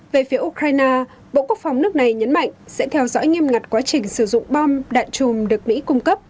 về phía ukraine bộ quốc phòng nước này nhấn mạnh sẽ theo dõi nghiêm ngặt quá trình sử dụng bom đạn chùm được mỹ cung cấp